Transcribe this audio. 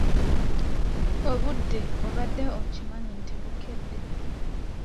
Obudde obadde okimanyi nti bukedde?